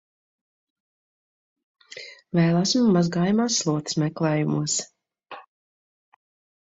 Vēl esmu mazgājamās slotas meklējumos.